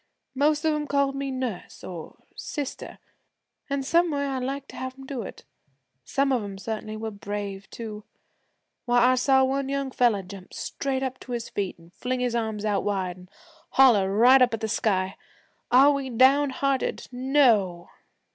Most of 'em called me "Nurse" or "Sister," an' some way I liked to have 'em do it. Some of 'em certainly were brave, too. Why, I saw one young fella jump straight up to his feet an' fling his arms out wide, an' holler right up at the sky, "Are we downhearted? No!"